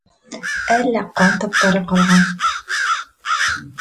Әллә ҡан таптары ҡалған.